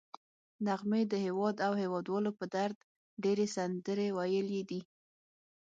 نغمې د هېواد او هېوادوالو په درد ډېرې سندرې ویلي دي